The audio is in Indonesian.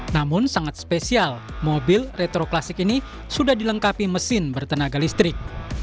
namun sangat spesial mobil retroklasik ini sudah dilengkapi mesin bertenaga listrik